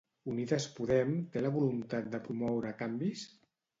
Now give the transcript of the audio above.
Unides Podem té la voluntat de promoure canvis?